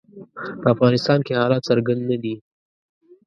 په افغانستان کې حالات څرګند نه دي.